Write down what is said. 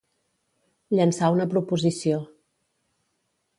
Llançar una proposició.